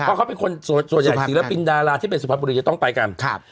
เพราะเขาเป็นคนส่วนใหญ่ศิลปินดาราที่เป็นสุพรรณบุรีจะต้องไปกัน